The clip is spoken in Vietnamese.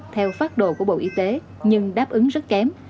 theo phát đồ của bộ y tế nhưng đáp ứng rất kém